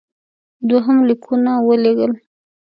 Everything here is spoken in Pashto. دوهم لیکونه ولېږل.